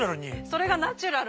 それがナチュラルに。